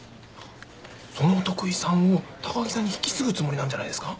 そのお得意さんを高木さんに引き継ぐつもりなんじゃないですか？